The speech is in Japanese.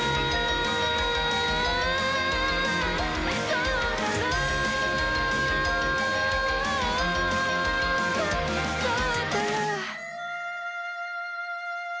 「そうだろ？」